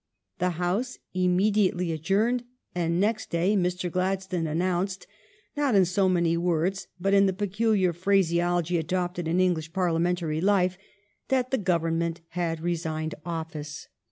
The House immediately ad journed, and next day Mr. Gladstone announced, not in so many words, but in the peculiar phrase ology adopted in English Parliamentary life, that the Government had resigned office.